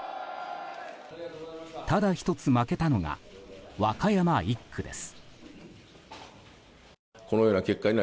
ただ１つ負けたのが和歌山１区です。